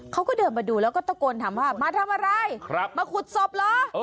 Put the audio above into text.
เขาก็เดินมาดูแล้วก็ตะโกนถามว่ามาทำอะไรมาขุดศพเหรอ